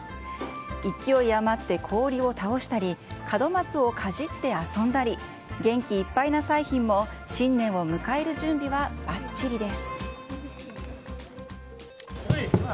勢い余って氷を倒したり、門松をかじって遊んだり、元気いっぱいな彩浜も新年を迎える準備はばっちりです。